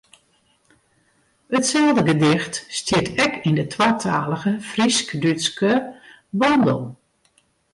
Itselde gedicht stiet ek yn de twatalige Frysk-Dútske bondel.